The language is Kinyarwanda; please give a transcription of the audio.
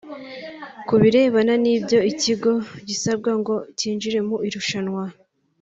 Ku birebana n’ibyo ikigo gisabwa ngo cyinjire mu irushanwa